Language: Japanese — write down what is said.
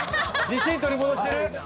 自信取り戻してる？